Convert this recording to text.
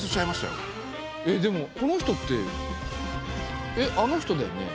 えっでもこの人ってえっあの人だよね。